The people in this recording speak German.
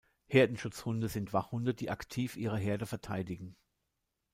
Herdenschutzhunde sind Wachhunde, die aktiv ihre Herde verteidigen.